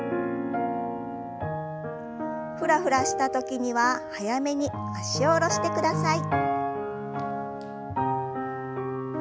フラフラした時には早めに脚を下ろしてください。